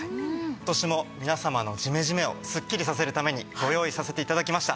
今年も皆様のジメジメをすっきりさせるためにご用意させて頂きました。